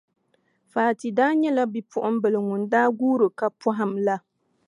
Fati daa nyɛla bipuɣimbila ŋun daa guuri ka pɔhim la.